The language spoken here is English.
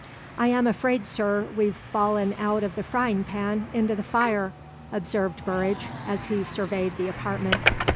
"I am afraid, sir, we've fallen out of the frying pan into the fire," observed Burridge, as he surveyed the apartment.